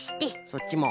そっちも。